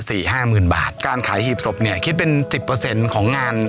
สี่ห้าหมื่นบาทการขายหีบศพเนี่ยคิดเป็นสิบเปอร์เซ็นต์ของงาน